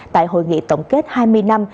tại hội nghị tổng kết hai mươi năm